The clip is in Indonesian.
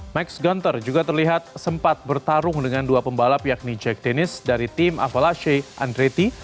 max gunter juga terlihat sempat bertarung dengan dua pembalap yakni jack tenis dari tim avalashe andrety